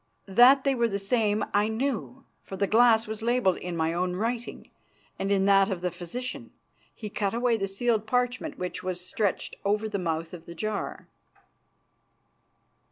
That they were the same I knew, for the glass was labelled in my own writing and in that of the physician. He cut away the sealed parchment which was stretched over the mouth of the jar.